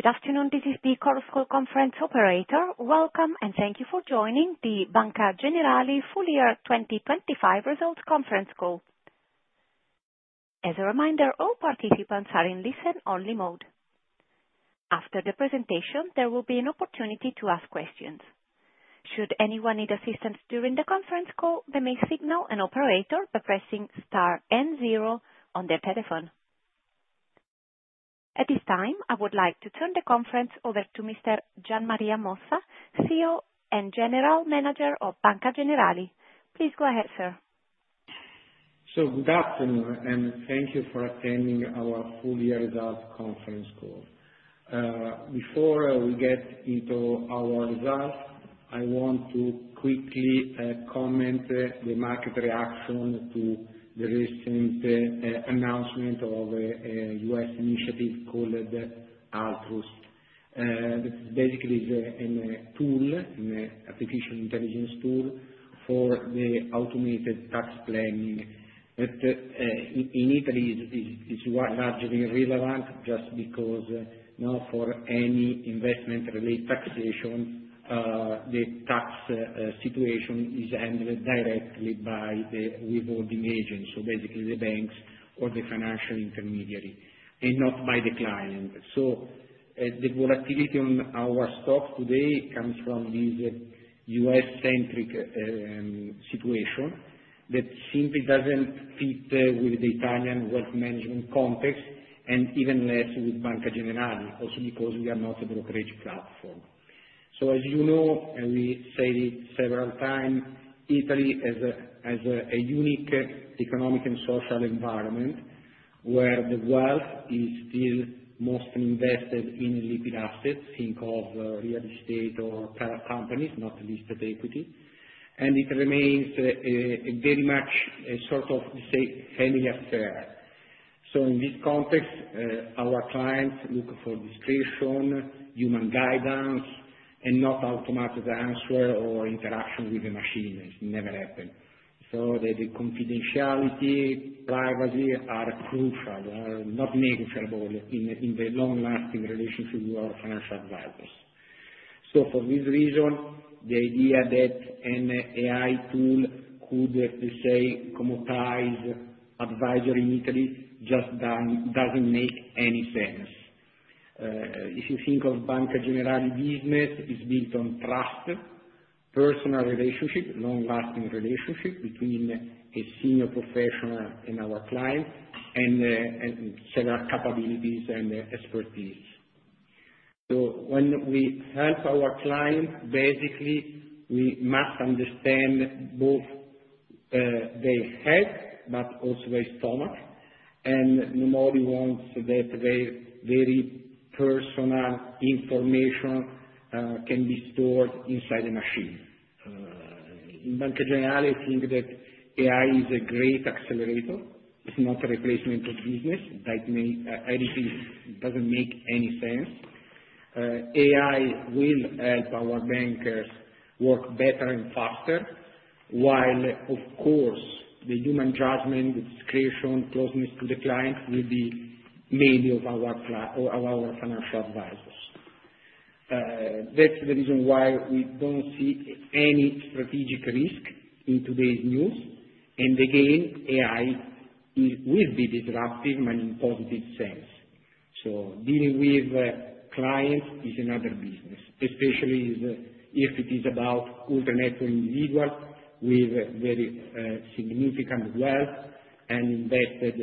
Good afternoon, this is the conference call operator. Welcome, and thank you for joining the Banca Generali Full Year 2025 results conference call. As a reminder, all participants are in listen-only mode. After the presentation, there will be an opportunity to ask questions. Should anyone need assistance during the conference call, they may signal an operator by pressing star and zero on their telephone. At this time, I would like to turn the conference over to Mr. Gian Maria Mossa, CEO and General Manager of Banca Generali. Please go ahead, sir. Good afternoon, and thank you for attending our full year results conference call. Before we get into our results, I want to quickly comment the market reaction to the recent announcement of a U.S. initiative called Altruist. That basically is a tool, an artificial intelligence tool for the automated tax planning. In Italy, it's, it's, largely irrelevant just because, now, for any investment-related taxation, the tax situation is handled directly by the withholding agent, so basically the banks or the financial intermediary, and not by the client. The volatility on our stock today comes from this U.S.-centric situation that simply doesn't fit with the Italian wealth management context, and even less with Banca Generali, also because we are not a brokerage platform. As you know, and we said it several times, Italy has a unique economic and social environment, where the wealth is still mostly invested in liquid assets. Think of real estate or private companies, not listed equity. It remains very much a sort of, say, family affair. In this context, our clients look for discretion, human guidance, and not automatic answer or interaction with the machine. It never happen. Confidentiality, privacy, are crucial, not negotiable in the long-lasting relationship with our financial advisors. For this reason, the idea that an AI tool could, let's say, commoditize advisory in Italy doesn't make any sense. If you think of Banca Generali business, is built on trust, personal relationship, long-lasting relationship between a senior professional and our client, and several capabilities and expertise. When we help our client, basically, we must understand both their head, but also their stomach, and nobody wants that their very personal information can be stored inside a machine. In Banca Generali, I think that AI is a great accelerator. It's not a replacement of business. That make, I think doesn't make any sense. AI will help our bankers work better and faster, while of course, the human judgment, discretion, closeness to the client will be mainly of our financial advisors. That's the reason why we don't see any strategic risk in today's news. Again, AI is, will be disruptive in a positive sense. Dealing with clients is another business, especially if, if it is about ultra-high-net-worth individual with very significant wealth and invested,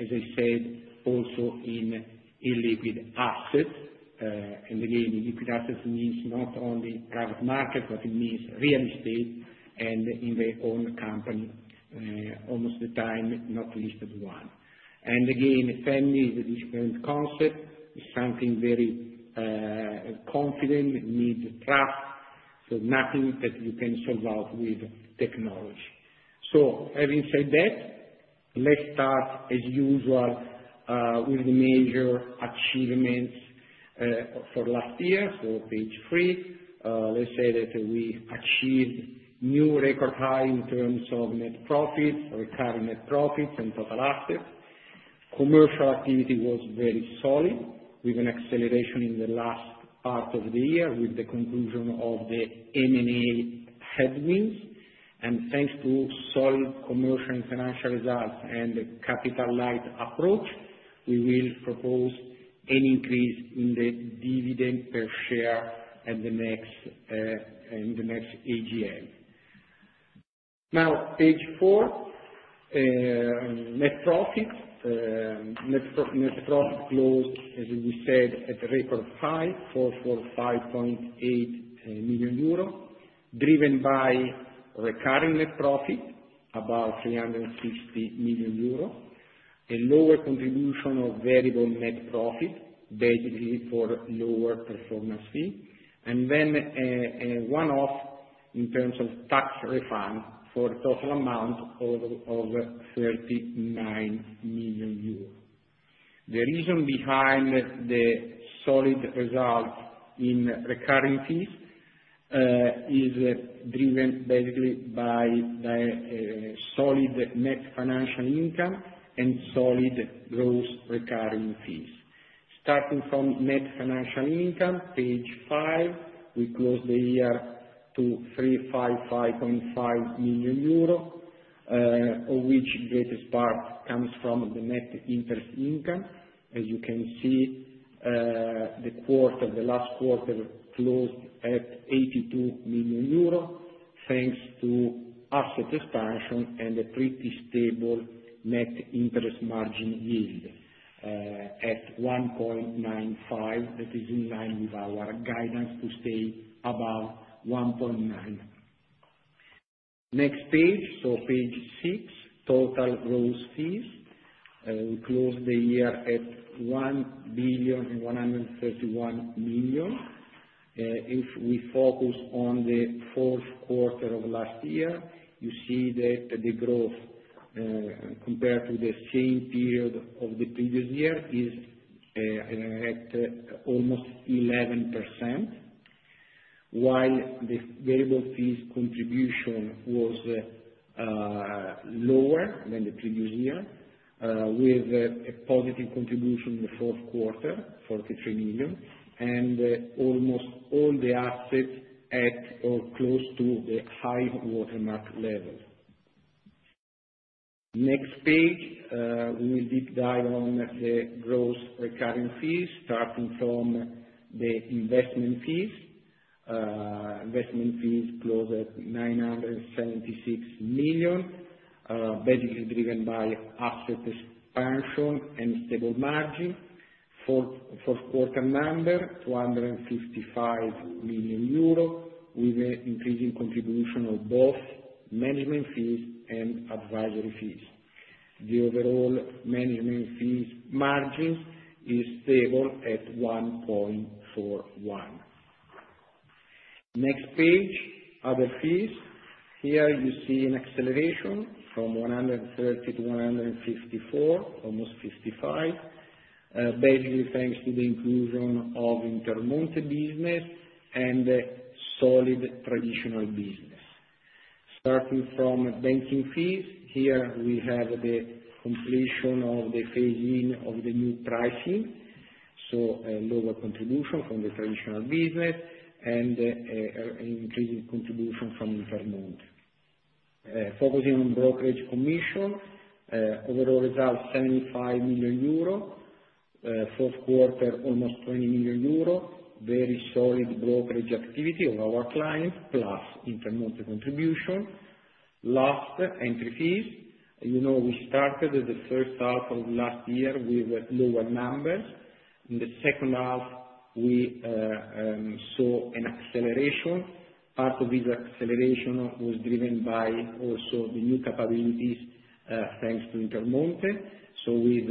as I said, also in illiquid assets. And again, illiquid assets means not only private market, but it means real estate and in their own company, almost the time, not listed one. And again, family is a different concept, is something very confident, it needs trust, so nothing that you can solve out with technology. Having said that, let's start, as usual, with the major achievements for last year. Page 3, let's say that we achieved new record high in terms of net profits, recurring net profits, and total assets. Commercial activity was very solid, with an acceleration in the last part of the year, with the conclusion of the M&A headwinds. Thanks to solid commercial and financial results and capital light approach, we will propose an increase in the dividend per share in the next, in the next AGM. Now, Page 4. Net profit. Net profit closed, as we said, at a record high, 445.8 million euro, driven by recurring net profit, about 360 million euro. A lower contribution of variable net profit, basically for lower performance fee, and then, a one-off in terms of tax refund for total amount of 39 million euros. The reason behind the solid result in recurring fees is driven basically by a solid net financial income and solid gross recurring fees. Starting from net financial income, page five, we closed the year to 355.5 million euro, of which greatest part comes from the net interest income. As you can see, the quarter, the last quarter closed at 82 million euro, thanks to asset expansion and a pretty stable net interest margin yield, at 1.95. That is in line with our guidance to stay above 1.9. Next page, Page 6, total gross fees. We closed the year at 1,131 million. If we focus on the fourth quarter of last year, you see that the growth compared to the same period of the previous year is at almost 11%, while the variable fees contribution was lower than the previous year, with a positive contribution in the fourth quarter, 43 million, and almost all the assets at or close to the high water mark level. Next page, we will deep dive on the gross recurring fees, starting from the investment fees. Investment fees closed at 976 million, basically driven by asset expansion and stable margin. Fourth quarter number, 255 million euro, with an increasing contribution of both management fees and advisory fees. The overall management fees margins is stable at 1.41. Next page, other fees. Here, you see an acceleration from 130-154, almost 55, basically thanks to the inclusion of Intermonte business and a solid traditional business. Starting from banking fees, here we have the completion of the phase-in of the new pricing, so a lower contribution from the traditional business and increasing contribution from Intermonte. Focusing on brokerage commission, overall result, 75 million euro. Fourth quarter, almost 20 million euro. Very solid brokerage activity of our clients, plus Intermonte contribution. Last, entry fees. You know, we started the first half of last year with lower numbers. In the second half, we saw an acceleration. Part of this acceleration was driven by also the new capabilities, thanks to Intermonte, so with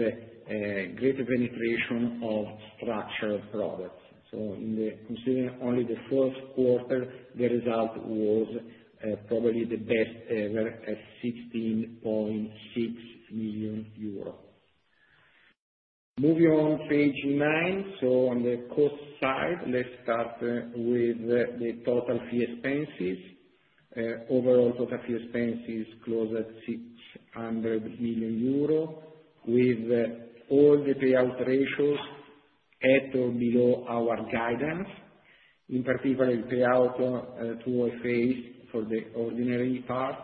greater penetration of structured products. In the-- considering only the fourth quarter, the result was, probably the best ever, at 16.6 million euro. Moving on, Page 9. On the cost side, let's start with the, the total fee expenses. Overall total fee expenses closed at 600 million euro, with, all the payout ratios at or below our guidance. In particular, the payout, to our phase for the ordinary part,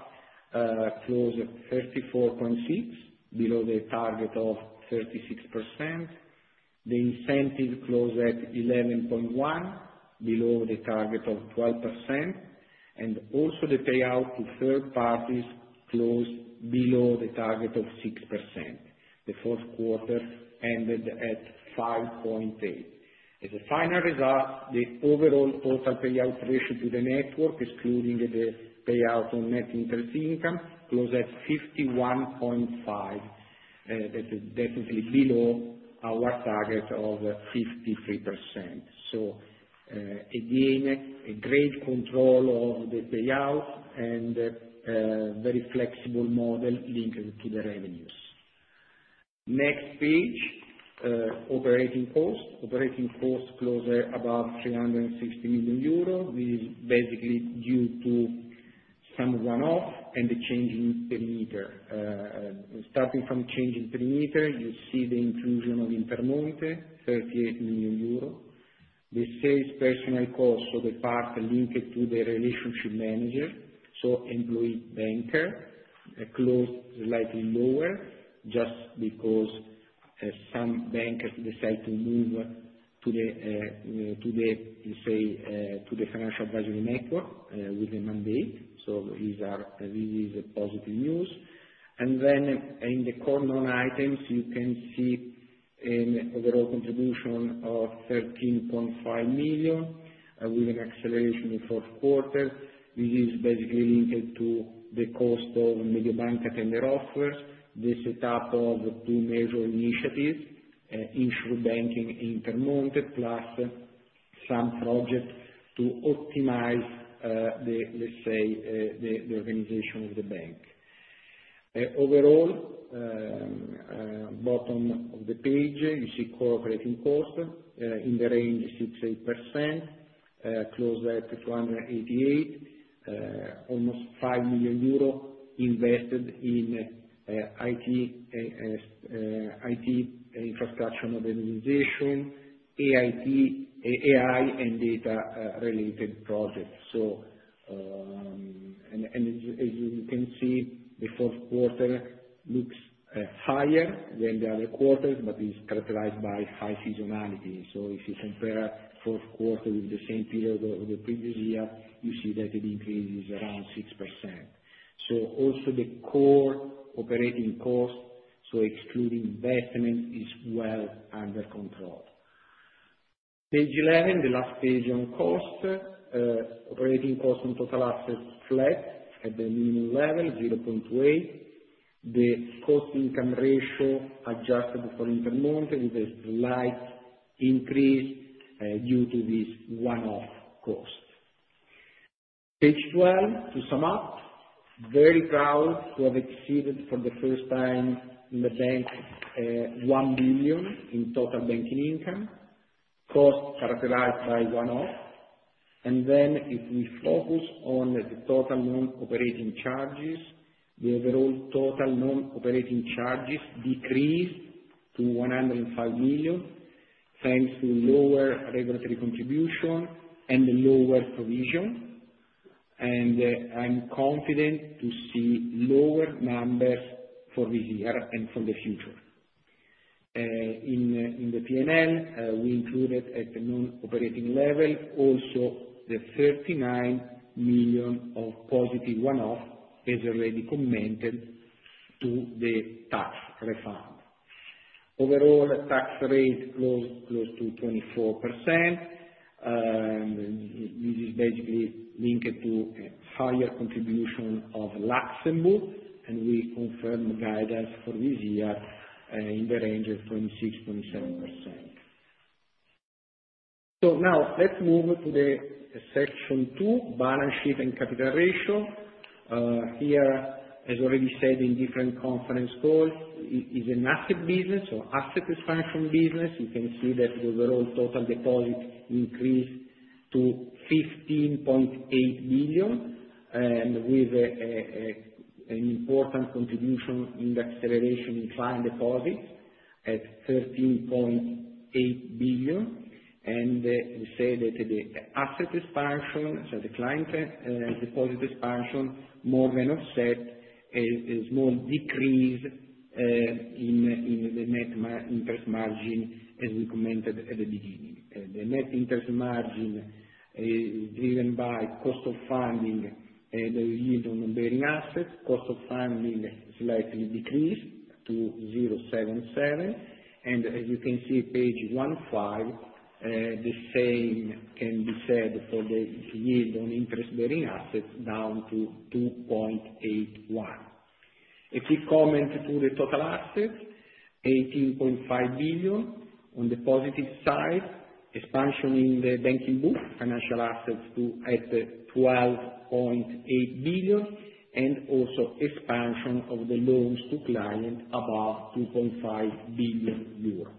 closed at 34.6, below the target of 36%. The incentive closed at 11.1, below the target of 12%, and also the payout to third parties closed below the target of 6%. The fourth quarter ended at 5.8. As a final result, the overall total payout ratio to the network, excluding the payout on net interest income, closed at 51.5. That is definitely below our target of 53%. Again, a great control of the payout and very flexible model linked to the revenues. Next page, operating costs. Operating costs closed at about 360 million euro. This is basically due to some one-off and the change in perimeter. Starting from change in perimeter, you see the inclusion of Intermonte, 38 million euros. The sales personal costs, so the part linked to the relationship manager, so employee banker, closed slightly lower, just because some bankers decide to move to the financial advisory network with a mandate. These are, this is a positive news. In the core non-items, you can see an overall contribution of 13.5 million with an acceleration in fourth quarter. This is basically linked to the cost of Mediobanca tender offers, the setup of two major initiatives, insurbanking, Intermonte, plus some projects to optimize the organization of the bank. Overall, bottom of the page, you see core operating cost in the range 6%-8%, close at 288, almost 5 million euro invested in IT, IT infrastructure modernization, AIT, AI, and data related projects. As you can see, the fourth quarter looks higher than the other quarters, but is characterized by high seasonality. If you compare fourth quarter with the same period of the previous year, you see that the increase is around 6%. Also the core operating costs, so excluding investment, is well under control. Page eleven, the last page on costs. Operating costs on total assets flat, at the minimum level, 0.8. The cost/income ratio adjusted for Intermonte, with a slight increase, due to this one-off cost. Page 12, to sum up, very proud to have exceeded for the first time in the bank, 1 billion in total banking income. Costs characterized by one-off. If we focus on the total non-operating charges, the overall total non-operating charges decreased to 105 million, thanks to lower regulatory contribution and lower provision. I'm confident to see lower numbers for this year and for the future. In the P&L, we included at the non-operating level, also the 39 million of positive one-off, as already commented to the tax refund. Overall, tax rate closed, close to 24%. This is basically linked to a higher contribution of Luxembourg. We confirm the guidance for this year in the range of 26.7%. Let's move to the section two: Balance sheet and capital ratio. Here, as already said in different conference calls, it is an active business, so asset expansion business. You can see that the overall total deposit increased to 15.8 billion with an important contribution in the acceleration in client deposits at 13.8 billion. We say that the asset expansion, so the client deposit expansion, more than offset a small decrease in the net interest margin, as we commented at the beginning. The net interest margin driven by cost of funding, the yield on bearing assets. Cost of funding slightly decreased to 0.77%, and as you can see, Page 15, the same can be said for the yield on interest-bearing assets, down to 2.81%. A quick comment to the total assets, 18.5 billion. On the positive side, expansion in the banking book, financial assets to 12.8 billion, and also expansion of the loans to client, about 2.5 billion euro.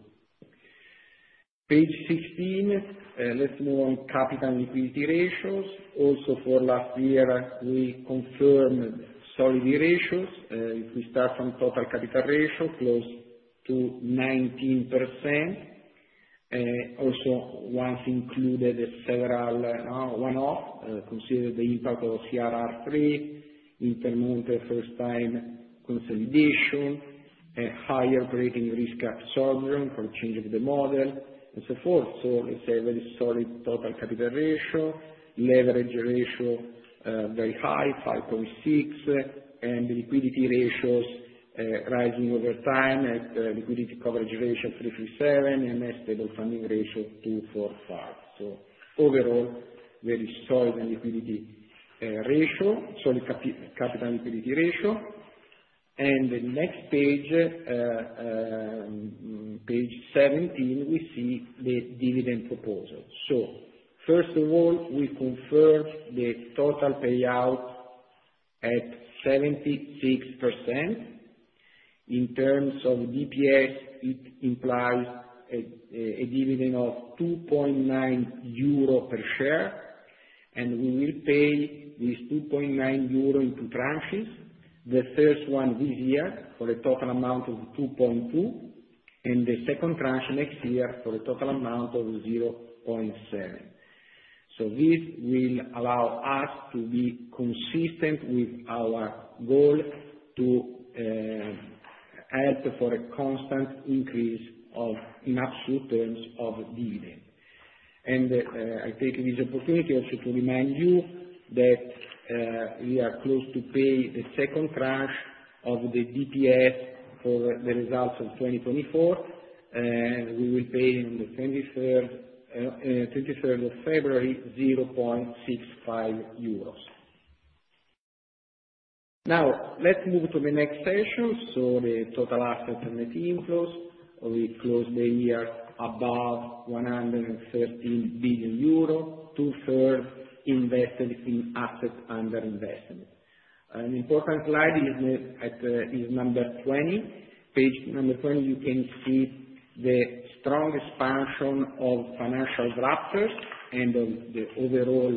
Page 16, let's move on capital and liquidity ratios. Also, for last year, we confirmed solidarity ratios. If we start from Total Capital Ratio, close to 19%, also once included several one-off, consider the impact of CRR3, Intermonte first time consolidation, a higher banking book risk absorption for change of the model, and so forth. It's a very solid Total Capital Ratio. Leverage ratio, very high, 5.6. Liquidity ratios, rising over time at liquidity coverage ratio 337, and stable funding ratio 245. Overall, very solid and liquidity ratio, solid capital and liquidity ratio. The next page, Page 17, we see the dividend proposal. First of all, we confirmed the total payout at 76%. In terms of DPS, it implies a dividend of 2.9 euro per share, and we will pay this 2.9 euro in two tranches. The first one this year, for a total amount of 2.2, and the second tranche next year for a total amount of 0.7. This will allow us to be consistent with our goal to add for a constant increase of, in absolute terms of dividend. I take this opportunity also to remind you that we are close to pay the second tranche of the DPS for the results of 2024, and we will pay on the 23rd of February, 0.65 euros. Let's move to the next section. The total assets and inflows, we closed the year above 113 billion euro, 2/3 invested in assets under investment. An important slide is number 20. Page number 20, you can see the strong expansion of financial wrappers, and of the overall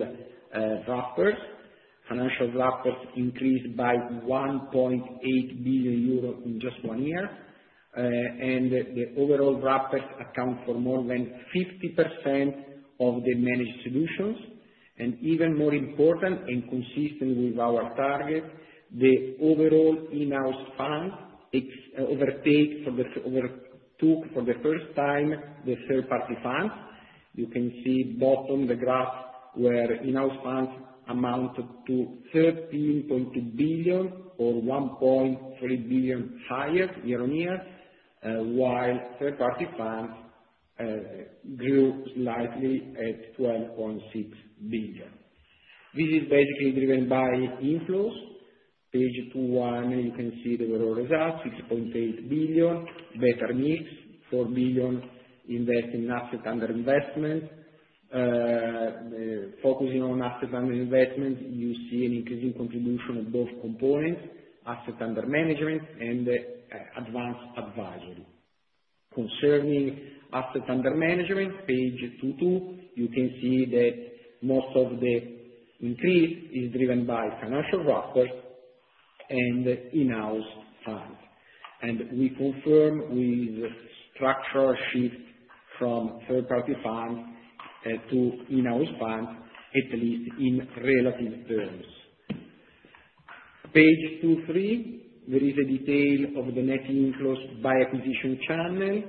wrappers. Financial wrappers increased by 1.8 billion euro in just one year. The overall wrappers account for more than 50% of the managed solutions, and even more important, and consistent with our target, the overall in-house funds overtook for the first time, the third-party funds. You can see bottom of the graph, where in-house funds amounted to 13.2 billion, or 1.3 billion higher year-on-year, while third-party funds grew slightly at 12.6 billion. This is basically driven by inflows. Page 21, you can see the overall results, 6.8 billion. Better mix, 4 billion, investing Assets under Investment. Focusing on Assets under Investment, you see an increasing contribution of both components, assets under management and advanced advisory. Concerning assets under management, Page 22, you can see that most of the increase is driven by wrappers and in-house funds. We confirm with structural shift from third-party funds to in-house funds, at least in relative terms. Page 23, there is a detail of the net inflows by acquisition channel.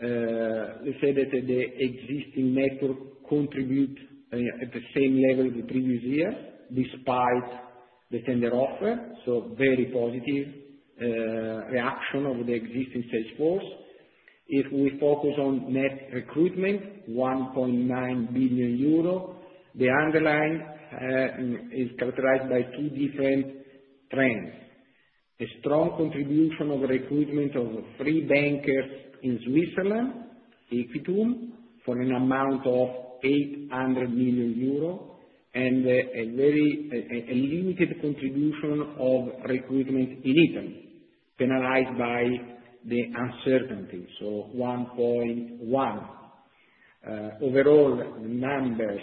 Let's say that the existing network contribute at the same level as the previous year, despite the tender offer, so very positive reaction of the existing sales force. If we focus on net recruitment, 1.9 billion euro, the underlying is characterized by two different trends: a strong contribution of recruitment of free bankers in Switzerland, Aequitis, for an amount of 800 million euro, and a very limited contribution of recruitment in Italy, penalized by the uncertainty, so 1.1 billion. Overall, numbers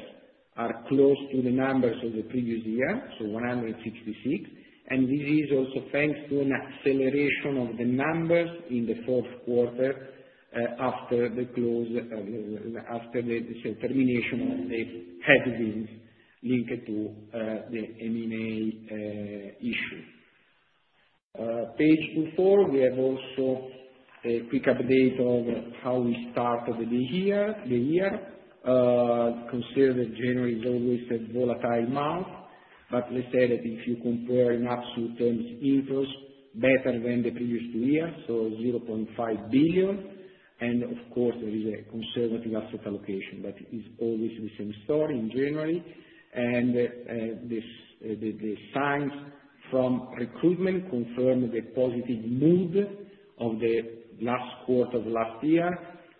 are close to the numbers of the previous year, so 166, this is also thanks to an acceleration of the numbers in the fourth quarter, after the close, after the termination of the headwind linked to the M&A issue. Page 24, we have also a quick update of how we started the year. Considering January is always a volatile month, let's say that if you compare in absolute terms, inflows better than the previous two years, so 0.5 billion, of course, there is a conservative asset allocation, it's always the same story in January. The signs from recruitment confirm the positive mood of the last quarter of last year,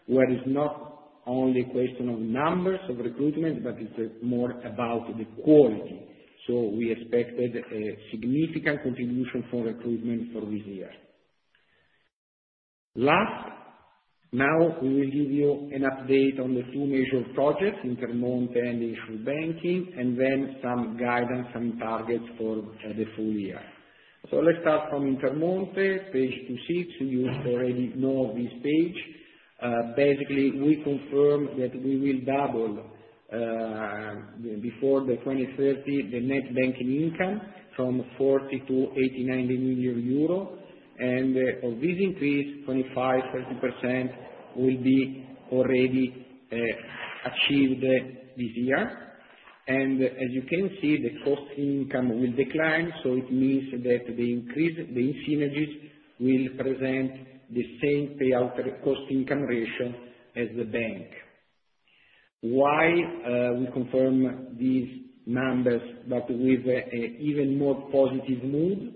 where is not only a question of numbers of recruitment, but it's more about the quality. We expected a significant contribution for recruitment for this year. Last, now we will give you an update on the two major projects, Intermonte and Universal Banking, and then some guidance, some targets for the full year. Let's start from Intermonte, Page 26. You already know this page. Basically, we confirm that we will double before the 2030, the net banking income from 40 million euro to EUR 80 million-EUR 90 million. Of this increase, 25%-30% will be already achieved this year. As you can see, the cost/income will decline. It means that the increase, the synergies will present the same payout cost/income ratio as the bank. Why, we confirm these numbers, with a, a even more positive mood?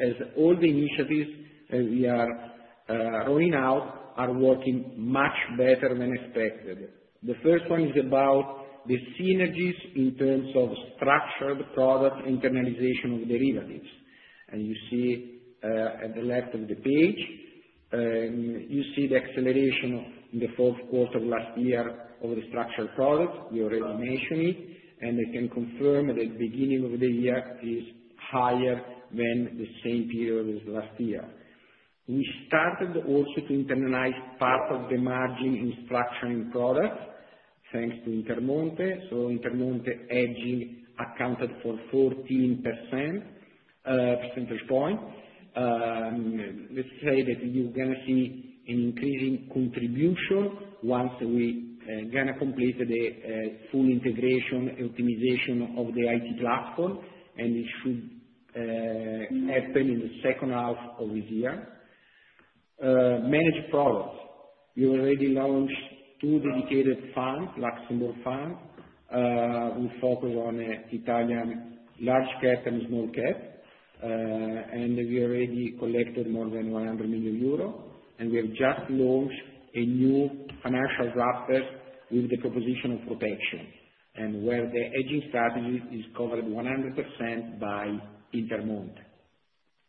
As all the initiatives we are rolling out, are working much better than expected. The first one is about the synergies in terms of structured product, internalization of derivatives. You see at the left of the page, you see the acceleration of the fourth quarter of last year of the structured products, we already mentioned it, and I can confirm the beginning of the year is higher than the same period as last year. We started also to internalize part of the margin in structuring products, thanks to Intermonte. Intermonte hedging accounted for 14% percentage point. Let's say that you're gonna see an increasing contribution once we gonna complete the full integration, optimization of the IT platform. It should happen in the second half of this year. Managed products. We already launched two dedicated funds, Luxembourg funds, we focus on Italian large cap and small cap. We already collected more than 100 million euro, and we have just launched a new financial wrapper with the proposition of protection, and where the hedging strategy is covered 100% by Intermonte.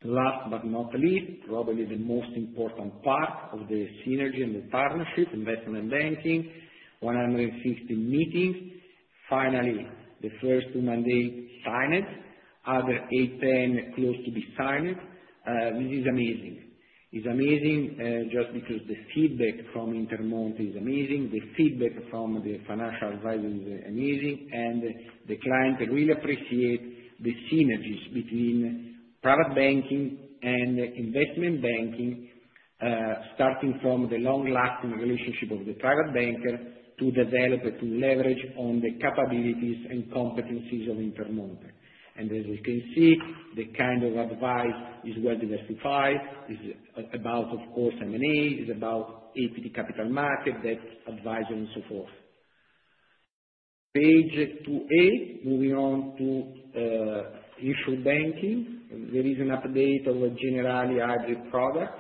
Last but not least, probably the most important part of the synergy and the partnership, investment banking, 160 meetings. Finally, the first two mandate signed, other 8-10 close to be signed. This is amazing. It's amazing, just because the feedback from Intermonte is amazing, the feedback from the private advisor is amazing, the client really appreciate the synergies between private banking and investment banking. Starting from the long-lasting relationship of the private banker to develop, to leverage on the capabilities and competencies of Intermonte. As you can see, the kind of advice is well diversified, is about, of course, M&A, is about ECM capital market, debt advisory, and so forth. Page 28, moving on to insurbanking. There is an update of the Generali hybrid product.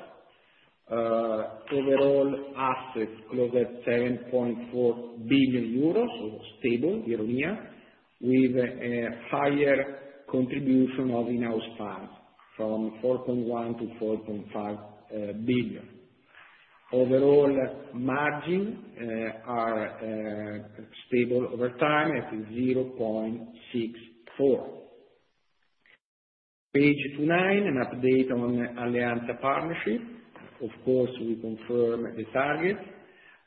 Overall assets closed at 7.4 billion euros, so stable year-on-year, with a higher contribution of in-house funds from 4.1 billion-4.5 billion. Overall margin are stable over time at 0.64. Page 29, an update on Alleanza partnership. Of course, we confirm the target,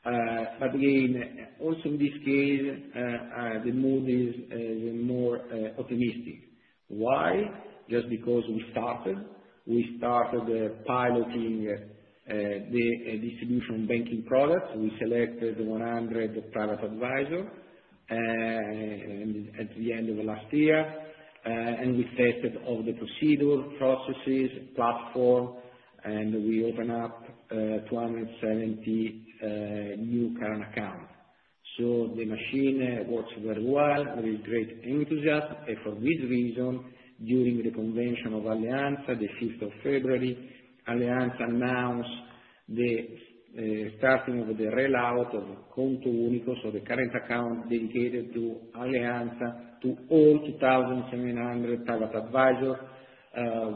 but again, also in this case, the mood is more optimistic. Why? Just because we started. We started piloting the distribution banking products. We selected 100 private advisors at the end of last year, and we tested all the procedures, processes, platform, and we open up 270 new current accounts. There is great enthusiasm. For this reason, during the convention of Alleanza, the 5th of February, Alleanza announced the starting of the rollout of Conto Unico, so the current account dedicated to Alleanza, to all 2,700 private advisors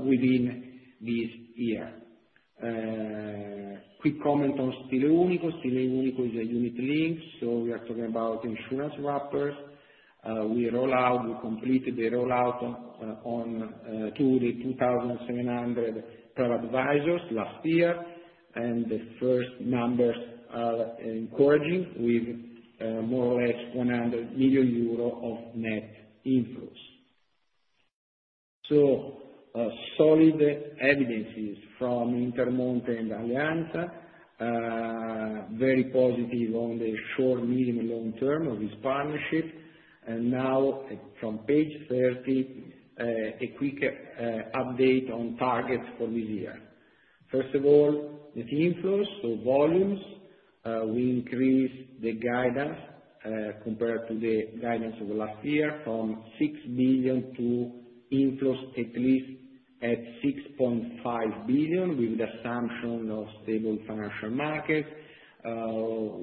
within this year. Quick comment on Stile Unico. Stile Unico is a unit-linked, so we are talking about insurance wrappers. We roll out, we completed the rollout on to the 2,700 private advisors last year, and the first numbers are encouraging, with more or less 100 million euro of net inflows. Solid evidences from Intermonte and Alleanza. Very positive on the short, medium, and long term of this partnership. Now, from Page 30, a quick update on targets for this year. First of all, net inflows, so volumes, we increased the guidance compared to the guidance of last year, from 6 billion to inflows, at least at 6.5 billion, with the assumption of stable financial market.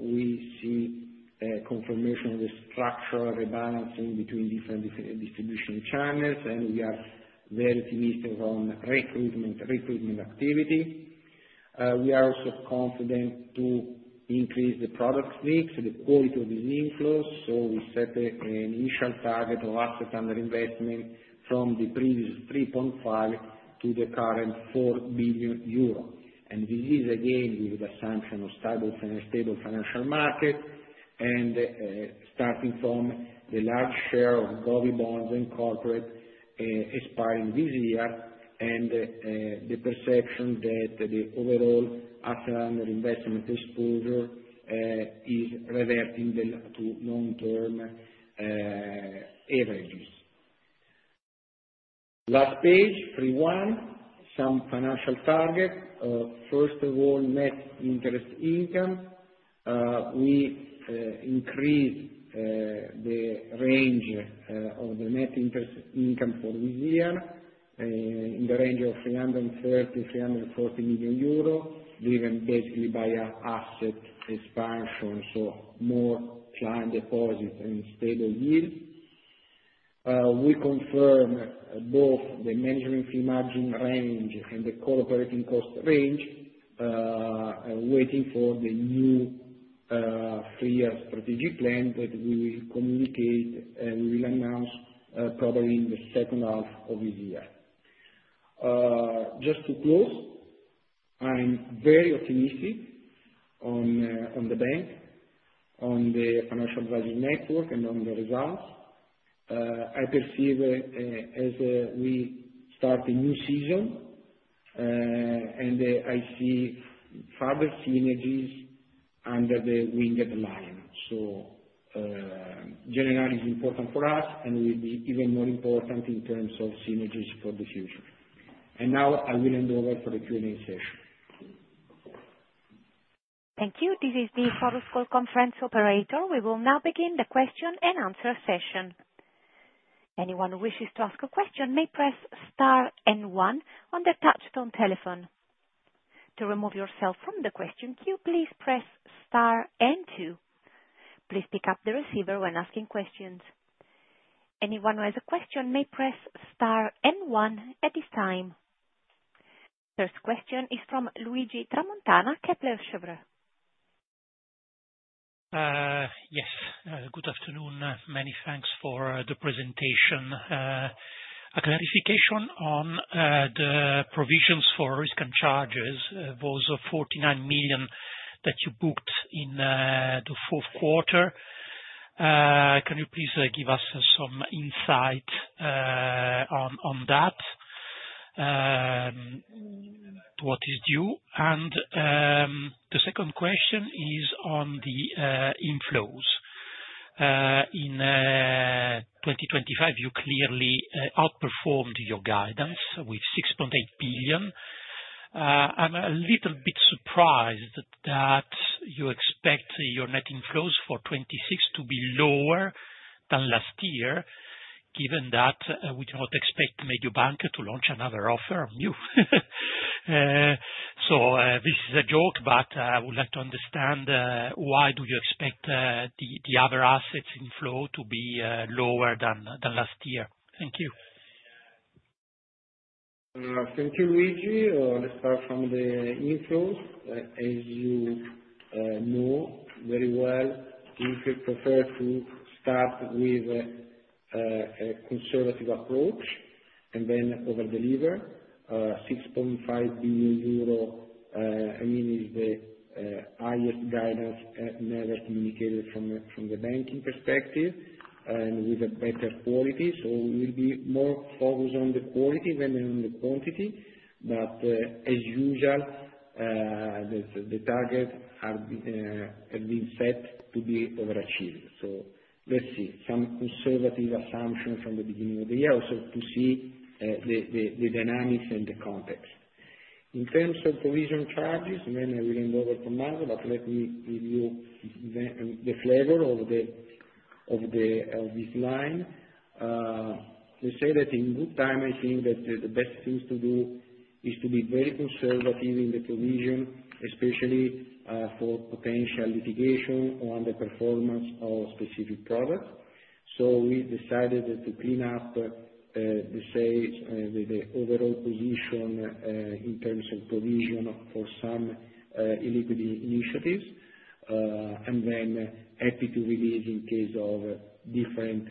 We see a confirmation of the structural rebalancing between different distribution channels, and we are very optimistic on recruitment, recruitment activity. We are also confident to increase the product mix, the quality of the inflows, so we set an initial target of Assets under Investment from the previous 3.5 to the current 4 billion euro. This is again, with the assumption of stable and stable financial market, starting from the large share of gov bonds and corporate expiring this year, and the perception that the overall Assets under Investment exposure is reverting the to long-term averages. Last Page, 31. Some financial targets. First of all, net interest income. We increased the range of the net interest income for this year, in the range of 330 million-340 million euro. Driven basically by asset expansion, so more client deposits and stable yield. We confirm both the management fee margin range and the core operating cost range, waiting for the new, three year strategic plan that we will communicate, and we will announce, probably in the second half of this year. Just to close, I'm very optimistic on, on the bank, on the financial advisory network, and on the results. I perceive, as, we start a new season, and, I see further synergies under the winged lion. Generali is important for us, and will be even more important in terms of synergies for the future. I will hand over for the Q&A session. Thank you. This is the conference operator. We will now begin the question and answer session. Anyone who wishes to ask a question may press star and one on their touchtone telephone. To remove yourself from the question queue, please press star and two. Please pick up the receiver when asking questions. Anyone who has a question may press star and one at this time. First question is from Luigi Tramontana, Kepler Cheuvreux. Yes, good afternoon. Many thanks for the presentation. A clarification on the provisions for risk and charges, those of 49 million that you booked in the fourth quarter. Can you please give us some insight on that, what is due? The second question is on the inflows. In 2025, you clearly outperformed your guidance with 6.8 billion. I'm a little bit surprised that you expect your net inflows for 2026 to be lower than last year, given that we do not expect Mediobanca to launch another offer on you. This is a joke, but I would like to understand why do you expect the other assets in flow to be lower than last year? Thank you. Thank you, Luigi. Let's start from the inflows. As you know very well, Intesa prefer to start with a conservative approach and then over-deliver, 6.5 billion euro, I mean, is the highest guidance never communicated from the banking perspective, and with a better quality. We will be more focused on the quality than on the quantity, but as usual, the target have been set to be overachieved. Let's see. Some conservative assumptions from the beginning of the year, also to see the dynamics and the context. I will hand over to Marco, but let me give you the flavor of this line. To say that in good time, I think that the best things to do is to be very conservative in the provision, especially for potential litigation on the performance of specific products. We decided to clean up, let's say, the overall position in terms of provision for some illegal initiatives, and then happy to release in case of different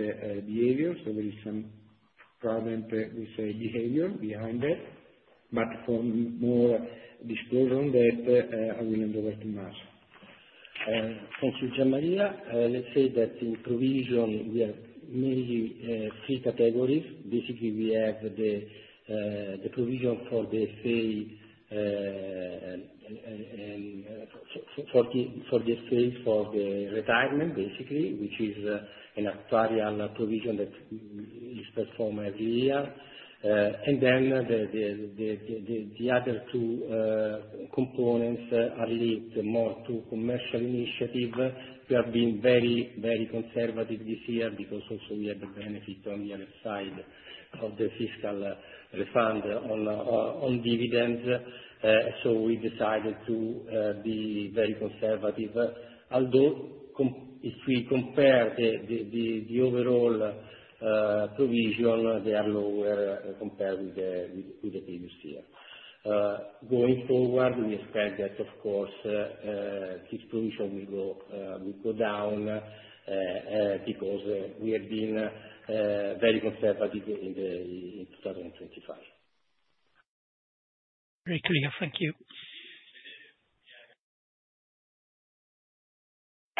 behaviors. There is some problem, we say, behavior behind it, but for more disclosure on that, I will hand over to Marco. Thank you, Gian Maria. Let's say that in provision we have mainly three categories. Basically, we have the provision for the expense for the retirement, basically, which is an actuarial provision that is performed every year. Then the other two components are linked more to commercial initiative. We have been very, very conservative this year because also we have the benefit on the other side of the fiscal refund on dividends. We decided to be very conservative. Although if we compare the overall provision, they are lower compared with the previous year. Going forward, we expect that of course, this provision will go, will go down, because we have been very conservative in the, in 2025. Very clear. Thank you.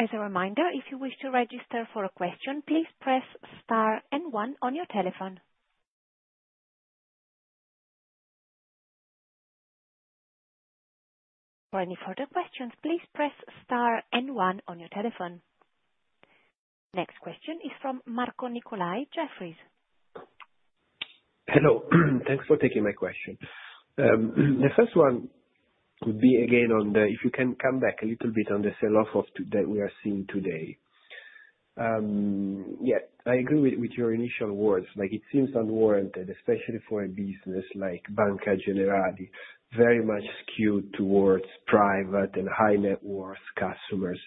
As a reminder, if you wish to register for a question, please press star and one on your telephone. For any further questions, please press star and one on your telephone. Next question is from Marco Nicolai, Jefferies. Hello. Thanks for taking my question. The first one would be again on the... If you can come back a little bit on the sell-off that we are seeing today. Yeah, I agree with, with your initial words. Like, it seems unwarranted, especially for a business like Banca Generali, very much skewed towards private and high net worth customers.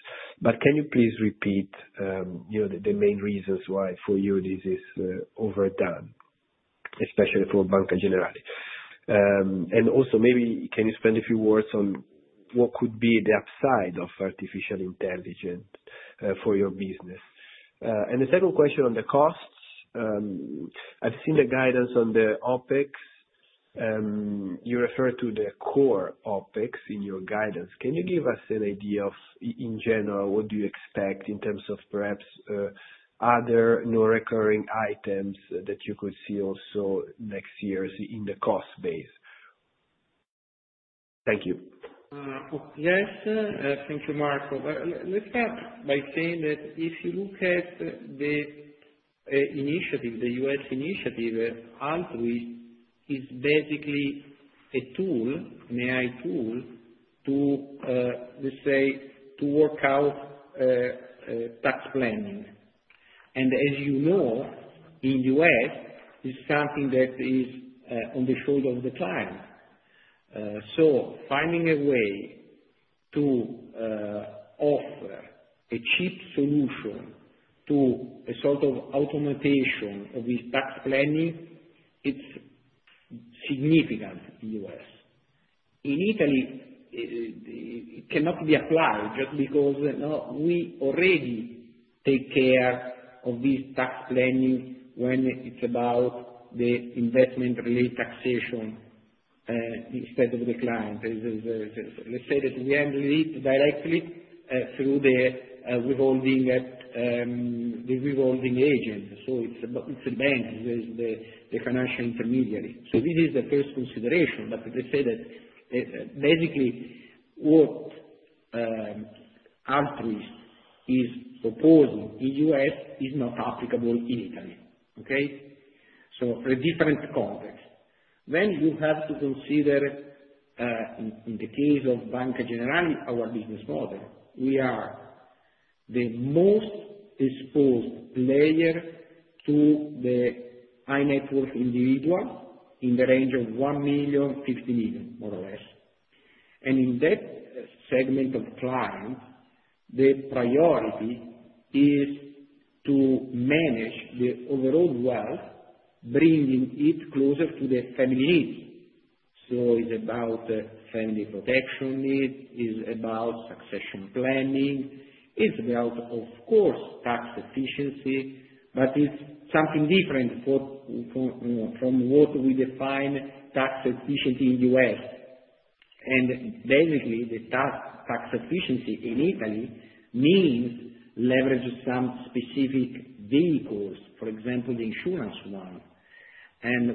Can you please repeat, you know, the, the main reasons why for you this is overdone, especially for Banca Generali? Also maybe can you spend a few words on what could be the upside of artificial intelligence for your business? The second question on the costs. I've seen the guidance on the OpEx, you refer to the core OpEx in your guidance. Can you give us an idea of in general, what do you expect in terms of perhaps, other non-recurring items that you could see also next year in the cost base? Thank you. Yes, thank you, Marco. Let's start by saying that if you look at the initiative, the U.S. initiative, Altruist is basically a tool, an AI tool, to let's say, to work out tax planning. As you know, in U.S., it's something that is on the shoulder of the client. Finding a way to offer a cheap solution to a sort of automation of this tax planning, it's significant in U.S. In Italy, it cannot be applied just because, you know, we already take care of this tax planning when it's about the investment-related taxation instead of the client. Let's say that we handle it directly through the revolving, the revolving agent, so it's a bank, there's the financial intermediary. This is the first consideration, but let's say that, basically, what Altruist is proposing in U.S. is not applicable in Italy, okay. A different context. You have to consider, in, in the case of Banca Generali, our business model. We are the most exposed player to the high-net-worth individual, in the range of 1 million-50 million, more or less. In that segment of client, the priority is to manage the overall wealth, bringing it closer to the family needs. It's about family protection needs, it's about succession planning, it's about, of course, tax efficiency. It's something different for, for, from what we define tax efficiency in U.S. Basically, the tax, tax efficiency in Italy means leverage some specific vehicles, for example, the insurance one.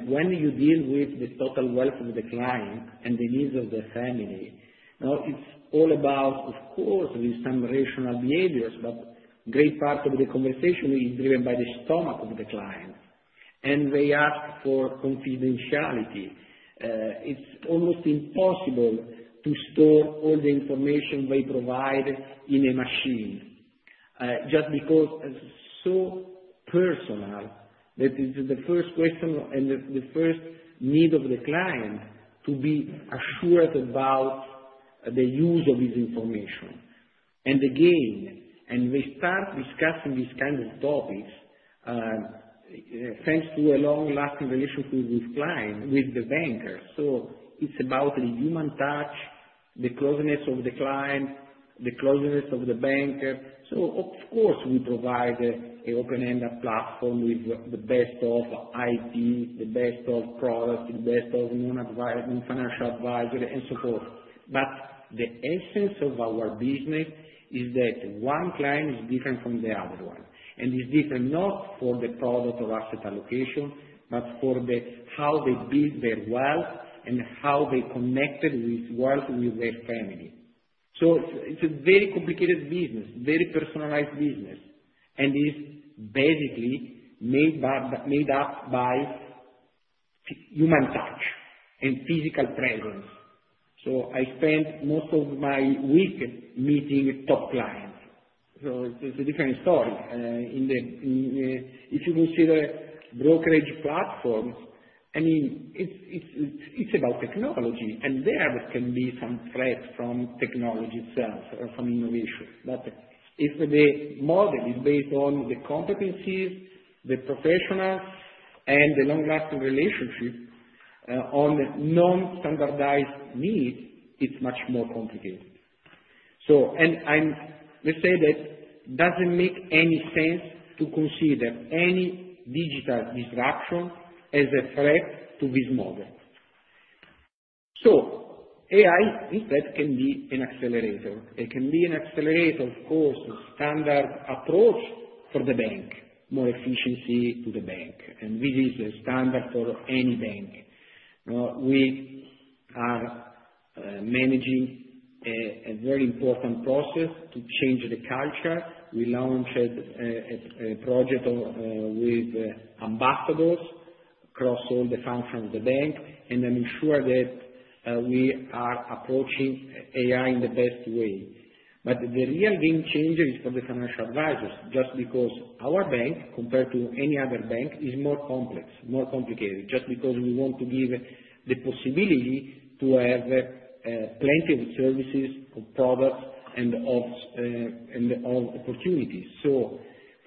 When you deal with the total wealth of the client and the needs of the family, now it's all about, of course, with some rational behaviors, but great part of the conversation is driven by the stomach of the client, and they ask for confidentiality. It's almost impossible to store all the information they provide in a machine, just because it's so personal, that is the first question and the first need of the client, to be assured about the use of this information. Again, they start discussing these kinds of topics, thanks to a long-lasting relationship with client, with the banker. It's about the human touch, the closeness of the client, the closeness of the banker. Of course, we provide a open-ended platform with the best of IT, the best of product, the best of human financial advisory, and so forth. The essence of our business is that one client is different from the other one. Is different, not for the product or asset allocation, but for the how they build their wealth and how they connected with wealth with their family. It's a very complicated business, very personalized business, and it's basically made by, made up by human touch and physical presence. I spent most of my week meeting with top clients. It's a different story. In the, if you consider brokerage platforms, I mean, it's about technology, and there can be some threat from technology itself or from innovation. If the model is based on the competencies, the professionals, and the long-lasting relationship, on non-standardized needs, it's much more complicated. Let's say that doesn't make any sense to consider any digital disruption as a threat to this model. AI, instead, can be an accelerator. It can be an accelerator, of course, a standard approach for the bank, more efficiency to the bank, and this is a standard for any bank. We are managing a very important process to change the culture. We launched a project with ambassadors across all the functions of the bank, and ensure that we are approaching AI in the best way. The real game changer is for the financial advisors, just because our bank, compared to any other bank, is more complex, more complicated, just because we want to give the possibility to have plenty of services, of products, and of opportunities.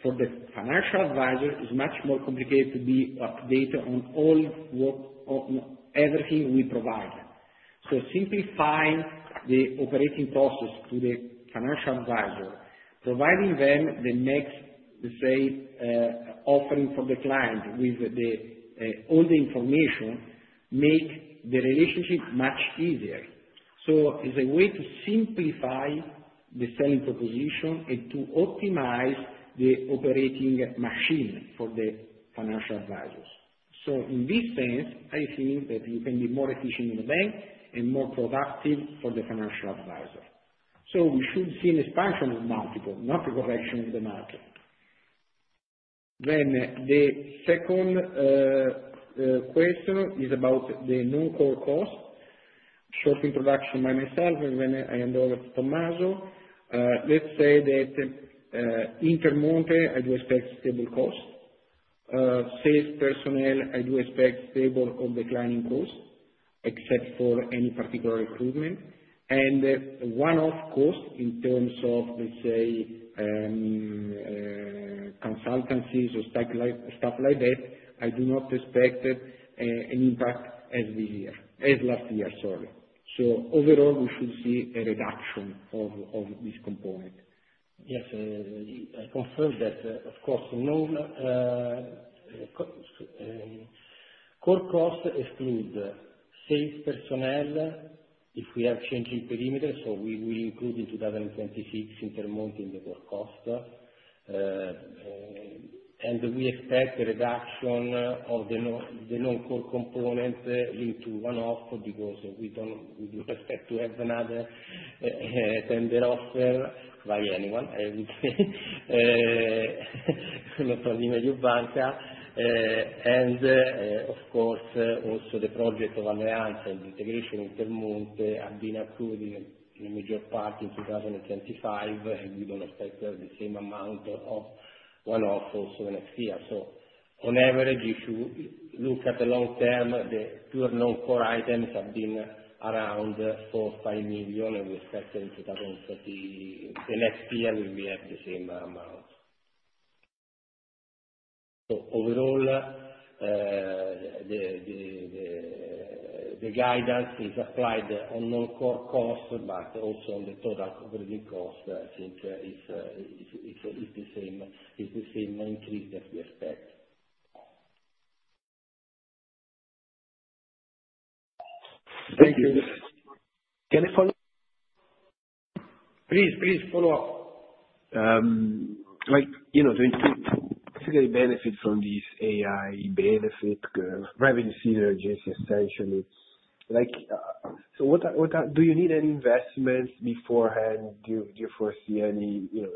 For the financial advisor, it's much more complicated to be up-to-date on all work, on everything we provide. Simplifying the operating process to the financial advisor, providing them the next, let's say, offering for the client with the all the information, make the relationship much easier. It's a way to simplify the selling proposition and to optimize the operating machine for the financial advisors. In this sense, I think that you can be more efficient in the bank and more productive for the financial advisor. We should see an expansion of multiple, not a correction in the market. The second question is about the non-core cost. Short introduction by myself, and then I hand over to Tommaso. Let's say that Intermonte, I do expect stable cost. Sales personnel, I do expect stable or declining costs, except for any particular recruitment. One-off costs, in terms of, let's say, consultancies or stuff like that, I do not expect an impact as last year, sorry. Overall, we should see a reduction of this component. Yes, I confirm that, of course, no, core costs exclude sales personnel, if we are changing perimeter, so we will include in 2026 Intermonte in the core cost. We expect a reduction of the non-core component linked to one-off, because we don't, we do expect to have another tender offer by anyone, and not only Mediobanca. Of course, also the project of Alleanza and integration Intermonte have been included in major part in 2025, and we don't expect the same amount of one-off also next year. On average, if you look at the long term, the pure non-core items have been around 4 million-5 million, and we expect in 2030, the next year, we will have the same amount. Overall, the guidance is applied on non-core costs, but also on the total operating cost, since it's the same, it's the same increase that we expect. Thank you. Can I follow up? Please, please follow up. Like, you know, to basically benefit from this AI benefit, revenue synergies, essentially, like, Do you need any investment beforehand? Do you, do you foresee any, you know,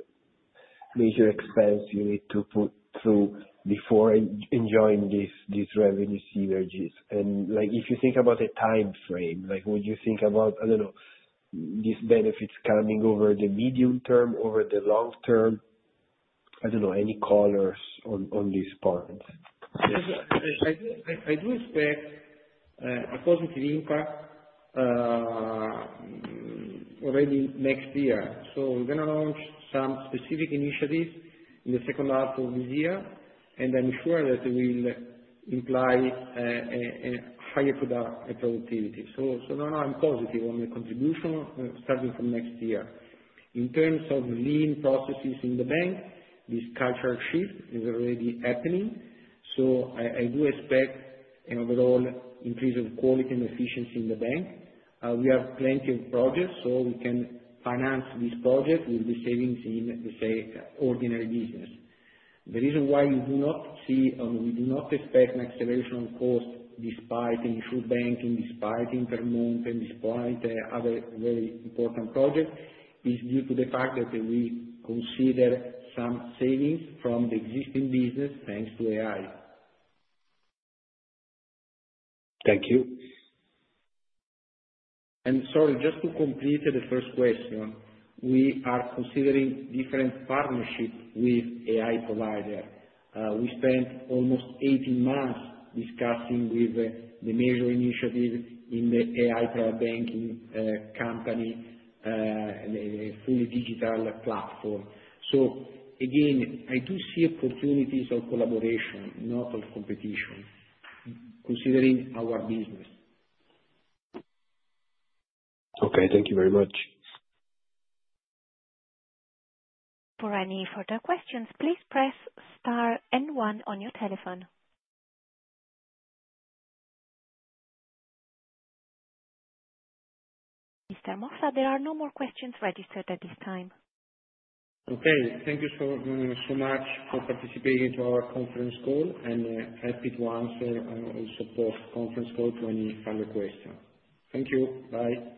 major expense you need to put through before enjoying this, these revenue synergies? And like, if you think about a time frame, like, would you think about, I don't know, these benefits coming over the medium term, over the long term? I don't know, any colors on, on these points. Yes, I, I do expect a positive impact already next year. We're gonna launch some specific initiatives in the second half of this year, and I'm sure that will imply a higher product productivity. No, I'm positive on the contribution starting from next year. In terms of lean processes in the bank, this cultural shift is already happening, so I, I do expect an overall increase of quality and efficiency in the bank. We have plenty of projects, so we can finance this project with the savings in, let's say, ordinary business. The reason why we do not see, or we do not expect an acceleration on cost despite the insurbanking, despite Intermonte, despite other very important project, is due to the fact that we consider some savings from the existing business, thanks to AI. Thank you. Sorry, just to complete the first question. We are considering different partnerships with AI provider. We spent almost 18 months discussing with the major initiatives in the AI private banking company, the fully digital platform. Again, I do see opportunities of collaboration, not of competition, considering our business. Okay, thank you very much. For any further questions, please press star and one on your telephone. Mr. Mossa, there are no more questions registered at this time. Okay. Thank you so, so much for participating to our conference call, and happy to answer on support conference call to any further question. Thank you. Bye.